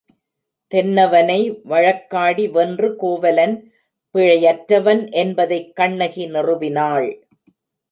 தென்னவனை வழக்காடி வென்று கோவலன் பிழை யற்றவன் என்பதைக் கண்ணகி நிறுவினாள்.